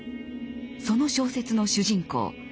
その小説の主人公